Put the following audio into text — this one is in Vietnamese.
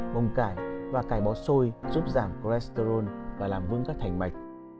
bông cải và cải bò xôi giúp giảm cholesterol và làm vững các thành mạch